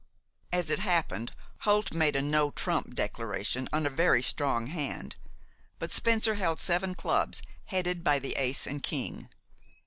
As it happened, Holt made a "no trump" declaration on a very strong hand; but Spencer held seven clubs headed by the ace and king.